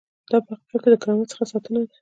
دا په حقیقت کې د کرامت څخه ساتنه ده.